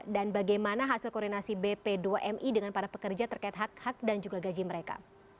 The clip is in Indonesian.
dan bagaimana hasil koordinasi bp dua mi dengan para pekerja terkait hak hak dan juga gaji mereka